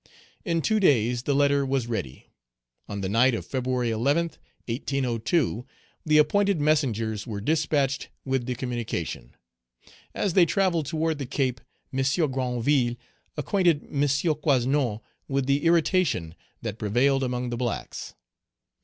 In two days the letter was ready. On the night of February 11th, 1802, the appointed messengers were despatched with the communication. As they travelled toward the Cape, M. Granville acquainted M. Coasnon with the irritation that prevailed among the blacks.